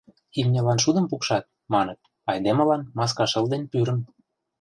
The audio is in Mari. Имньылан шудым пукшат, маныт, айдемылан — маска шыл ден пӱрым.